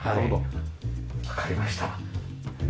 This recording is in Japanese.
わかりました。